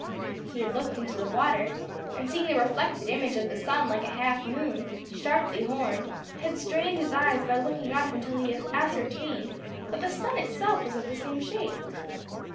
He had looked into the water, and seeing the reflected image of the sun like a half moon, sharply horned, had strained his eyes by looking up until he ascertained that the sun itself was of the same shape.